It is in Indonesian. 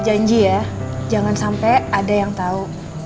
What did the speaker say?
janji ya jangan sampai ada yang tahu